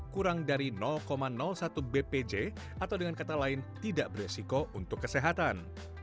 kurang dari satu bpj atau dengan kata lain tidak beresiko untuk kesehatan